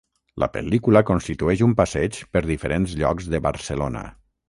La pel·lícula constitueix un passeig per diferents llocs de Barcelona.